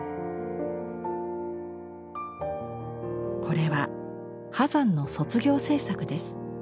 これは波山の卒業制作です。